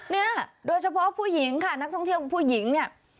เนี่ยโดยเฉพาะผู้หญิงค่ะนักท่องเที่ยวผู้หญิงเนี่ย